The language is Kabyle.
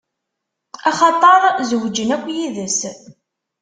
Axaṭer zewǧen akk yid-s.